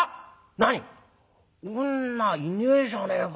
なに女いねえじゃねえか。